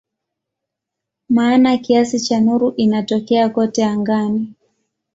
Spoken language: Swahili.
Maana kiasi cha nuru inatokea kote angani.